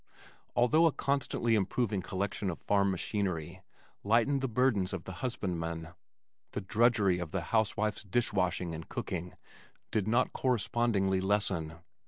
Although a constantly improving collection of farm machinery lightened the burdens of the husbandman, the drudgery of the house wife's dish washing and cooking did not correspondingly lessen.